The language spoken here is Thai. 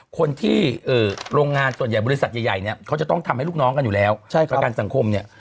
คนที่โรงงานส่วนใหญ่บริษัทใหญ่เนี่ยเขาจะต้องทำให้ลูกน้องกันอยู่แล้วประกันสังคมเนี่ย